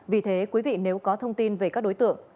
vì thế quý vị nếu có thông tin về các đối tượng